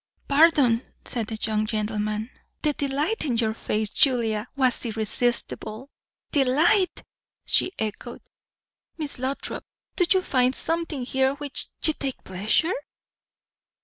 "Pardon!" said the young gentleman. "The delight in your face, Julia, was irresistible." "Delight!" she echoed. "Miss Lothrop, do you find something here in which you take pleasure?"